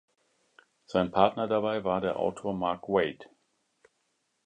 Sein Partner dabei war der Autor Mark Waid.